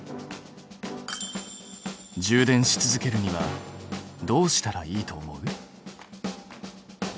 充電し続けるにはどうしたらいいと思う？